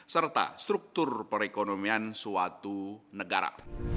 serta struktur perekonomian suatu negara